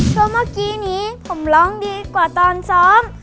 เพราะเมื่อกี้นี้ผมร้องดีกว่าตอนซ้อม